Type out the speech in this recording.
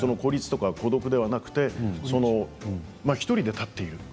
孤立や孤独ではなく１人で立っている。